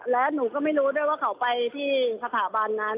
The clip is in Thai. และหนูก็ไม่รู้ด้วยว่าเขาไปที่สถาบันนั้น